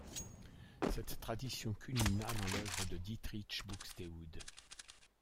Cette tradition culmina dans l'œuvre de Dietrich Buxtehude.